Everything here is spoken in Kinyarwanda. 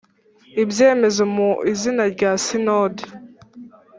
ibyemezo mu izina rya Sinode